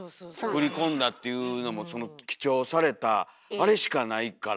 振り込んだというのも記帳されたあれしかないから。